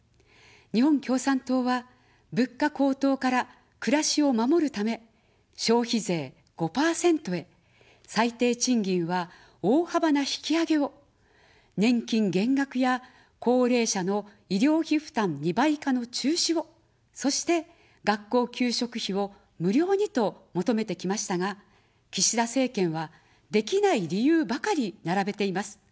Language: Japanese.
日本共産党は、物価高騰から暮らしを守るため、消費税５％へ、最低賃金は大幅な引き上げを、年金減額や高齢者の医療費負担２倍化の中止を、そして学校給食費を無料にと求めてきましたが、岸田政権はできない理由ばかり並べています。